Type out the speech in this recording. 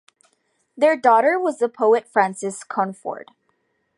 Their daughter was the poet Frances Cornford.